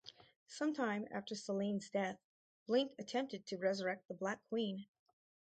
Sometime after Selene's death, Blink attempted to resurrect the Black Queen.